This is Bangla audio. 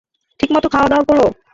ঠিক মতো খাওয়া দাওয়া কোরো।